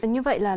như vậy là luật